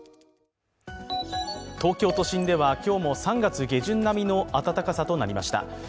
東京都心では今日も３月下旬並みの暖かさとなりました。